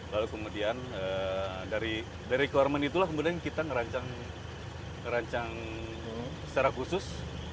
lalu kemudian dari requirement itulah kemudian kita merancang secara khusus